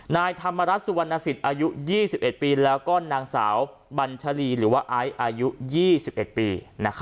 นายธรรมรัฐสุวรรณสิตอายุ๒๑ปีแล้วก็นางสาวบัญชรีอายุ๒๑ปี